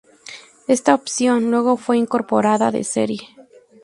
Esta opción luego fue incorporada de serie.